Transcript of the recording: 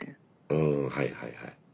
うんはいはいはい。